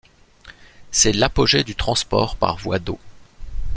C'est l'apogée du transport par voie d'eau.